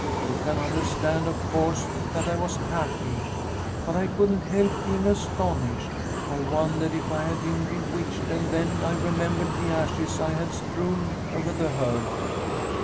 You can understand, of course, that I was happy, but I couldn't help being astonished. I wondered if I had been bewitched, and then I remembered the ashes I had strewn over the hearth."